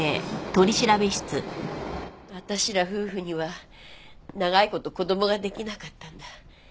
私ら夫婦には長い事子供ができなかったんだ。